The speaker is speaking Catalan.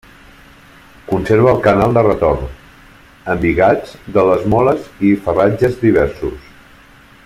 Conserva el canal de retorn, embigats de les moles i ferratges diversos.